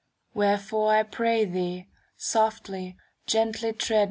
Wherefore, I pray thee, softly, gently tread.